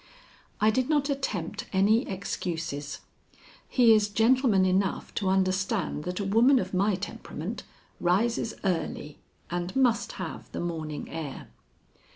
I did not attempt any excuses. He is gentleman enough to understand that a woman of my temperament rises early and must have the morning air.